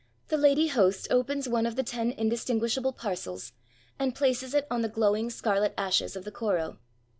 The lady host opens one of the ten indistin guishable parcels and places it on the glowing scarlet ashes of the koro.